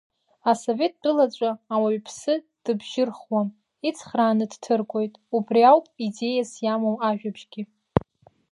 Асовет тәылаҿы ауаҩԥсы дыбжьырхуам, ицхрааны дҭыргоит, абри ауп идеиас иамоу ажәабжьгьы.